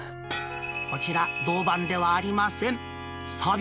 こちら、銅板ではありません。